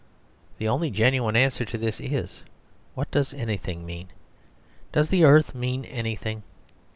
The only genuine answer to this is, "What does anything mean?" Does the earth mean nothing?